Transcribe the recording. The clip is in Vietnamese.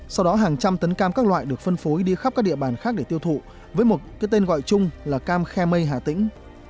sau đó hàng trăm tấn cam các loại được phân phối đi khắp các địa bàn khác để tiêu thụ với một cái tên gọi chung là cam khe mây hà tĩnh